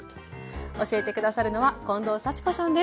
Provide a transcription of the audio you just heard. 教えて下さるのは近藤幸子さんです。